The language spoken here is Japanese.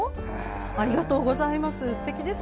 ありがとうございます。